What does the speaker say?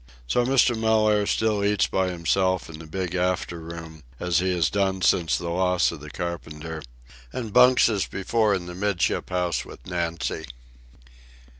So Mr. Mellaire still eats by himself in the big after room, as he has done since the loss of the carpenter, and bunks as before in the 'midship house with Nancy.